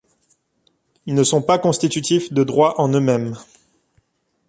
Ils ne sont pas constitutifs de droits en eux-mêmes.